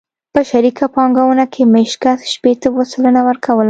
په شریکه پانګونه کې مېشت کس شپېته اووه سلنه ورکوله.